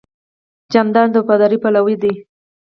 جانداد د وفادارۍ پلوی دی.